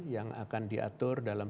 yang akan diatur dalam